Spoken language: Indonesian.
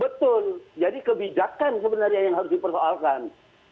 betul jadi kebijakan sebenarnya yang harus dipersoalkan